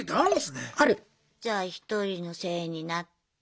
じゃあ１人のせいになって。